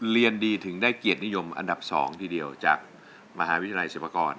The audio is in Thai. เรียนดีถึงได้เกียรตินิยมอันดับ๒ทีเดียวจากมหาวิทยาลัยศิพากร